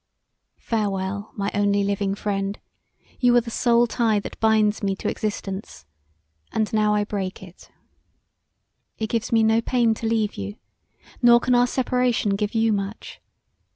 Farewell, my only living friend; you are the sole tie that binds me to existence, and now I break it[.] It gives me no pain to leave you; nor can our seperation give you much.